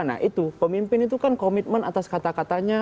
nah itu pemimpin itu kan komitmen atas kata katanya